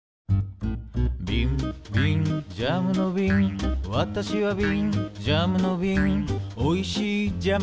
「びんびんジャムのびんわたしはびん」「ジャムのびんおいしいジャムをいれていた」